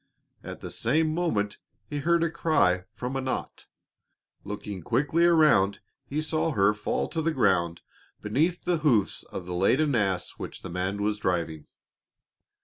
At the same moment he heard a cry from Anat; looking quickly around he saw her fall to the ground beneath the hoofs of the laden ass which the man was driving.